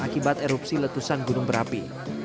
akibat erupsi letusan gunung berapi